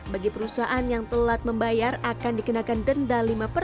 bagi perusahaan yang telat membayar akan dikenakan denda